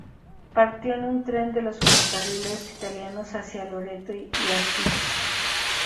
Partió en un tren de los ferrocarriles italianos hacia Loreto y Asis.